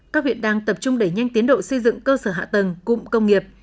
các huyện đang tập trung đẩy nhanh tiến độ xây dựng cơ sở hạ tầng cụm công nghiệp